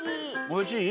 おいしい？